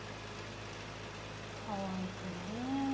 かわいくねぇ。